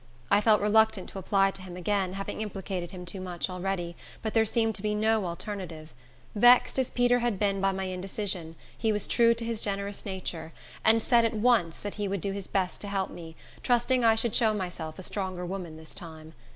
I felt reluctant to apply to him again, having implicated him too much already; but there seemed to be no alternative. Vexed as Peter had been by my indecision, he was true to his generous nature, and said at once that he would do his best to help me, trusting I should show myself a stronger woman this time.